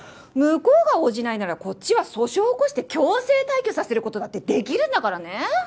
向こうが応じないならこっちは訴訟を起こして強制退去させる事だってできるんだからね！